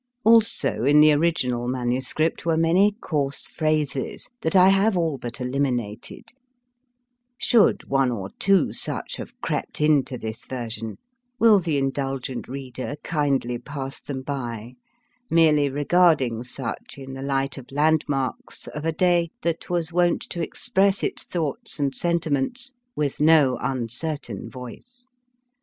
The Pr efac e . Also in the original manuscript were many coarse phrases that I have all but eliminated ; should one or two such have crept into this version, will the indulgent reader kindly pass them by, merely regard ing such in the light of landmarks of a day that was wont to express its thoughts and sentiments with no uncertain voice.